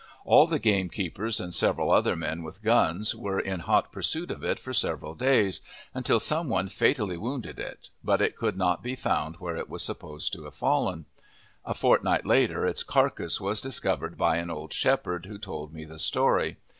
All the gamekeepers and several other men with guns were in hot pursuit of it for several days, until some one fatally wounded it, but it could not be found where it was supposed to have fallen. A fortnight later its carcass was discovered by an old shepherd, who told me the story.